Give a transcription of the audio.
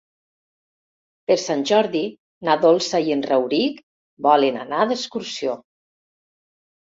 Per Sant Jordi na Dolça i en Rauric volen anar d'excursió.